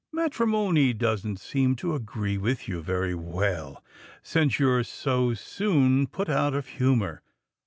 "Matrimony doesn't seem to agree with you very well, since you're so soon put out of humour.